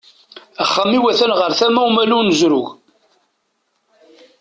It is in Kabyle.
Axxam-iw at-an ɣer tama umalu n uzrug.